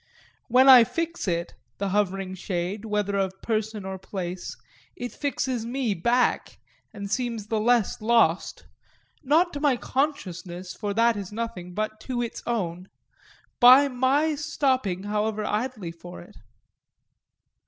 When I fix it, the hovering shade, whether of person or place, it fixes me back and seems the less lost not to my consciousness, for that is nothing, but to its own by my stopping however idly for it.